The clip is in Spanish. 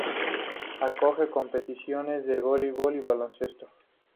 Acoge competiciones de voleibol y baloncesto.